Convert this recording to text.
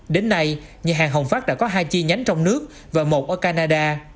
đến nay nhà hàng hồng phát đã có hai chi nhánh trong nước và một ở canada